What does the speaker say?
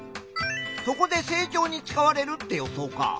そこで成長に使われるって予想か。